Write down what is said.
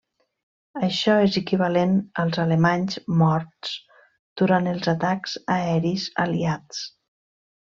Això és equivalent als alemanys morts durant els atacs aeris aliats.